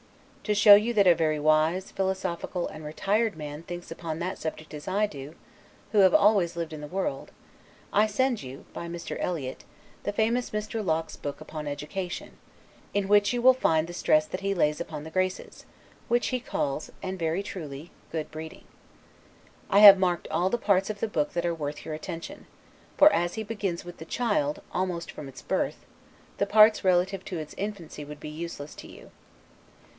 To show you that a very wise, philosophical, and retired man thinks upon that subject as I do, who have always lived in the world, I send you, by Mr. Eliot, the famous Mr. Locke's book upon education; in which you will end the stress that he lays upon the Graces, which he calls (and very truly) good breeding. I have marked all the parts of that book that are worth your attention; for as he begins with the child, almost from its birth, the parts relative to its infancy would be useless to you.